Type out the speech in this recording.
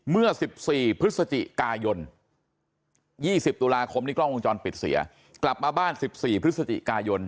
เมื่อ๑๔พฤศจิกายน๒๐ตุลาคมนี้กล้องวงจรปิดเสียกลับมาบ้าน๑๔พฤศจิกายน